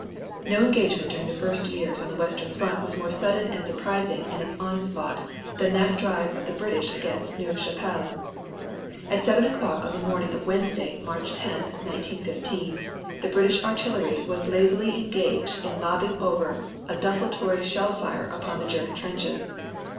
No engagement during the years on the western front was more sudden and surprising in its onset than that drive of the British against Neuve Chapelle. At seven o'clock on the morning of Wednesday, March 10, 1915, the British artillery was lazily engaged in lobbing over a desultory shell fire upon the German trenches.